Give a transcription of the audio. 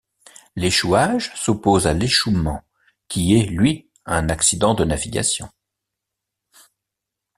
L'échouage s'oppose à l'échouement, qui est, lui, un accident de navigation.